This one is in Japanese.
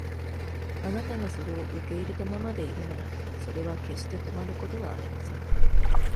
あなたがそれを受け入れたままでいるなら、それは決して止まることはありません。